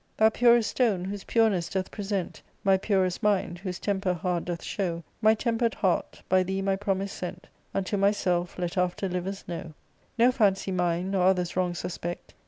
Thou purest stone, whose pureness doth present My purest mind, whose temper hard doth show My temper' d heart, by thee my promise sent Unto myself let after livers know, No fancy mine, nor other's wrong suspect.